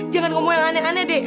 jangan ngomong yang aneh aneh deh